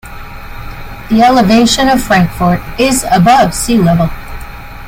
The elevation of Frankfort is above sea level.